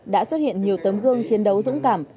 đã xuất hiện nhiều tấm gương chiến đấu dũng cảm